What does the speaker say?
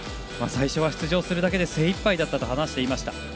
最初は出場するだけで精いっぱいだったと話していました。